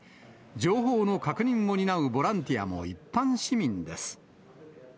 情報の確認を担うボランティアも一般市民です。